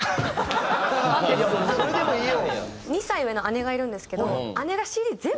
２歳上の姉がいるんですけど。